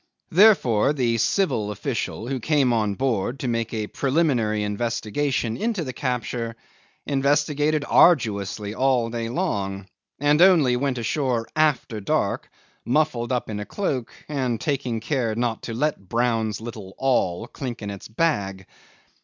Therefore the civil official who came on board to make a preliminary investigation into the capture, investigated arduously all day long, and only went ashore after dark, muffled up in a cloak, and taking great care not to let Brown's little all clink in its bag.